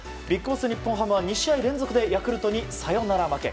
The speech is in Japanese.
ＢＩＧＢＯＳＳ、日本ハムは２試合連続でヤクルトにサヨナラ負け。